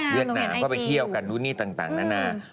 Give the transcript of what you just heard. นามก็ไปเที่ยวกันนู่นนี่ต่างนานา